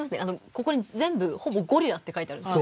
ここに全部ほぼ「ゴリラ」って書いてあるんです。